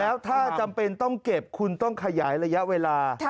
แล้วถ้าจำเป็นต้องเก็บคุณต้องขยายระยะเวลา